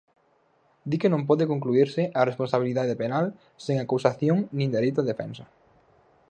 Di que non pode concluírse a responsabilidade penal sen acusación nin dereito a defensa.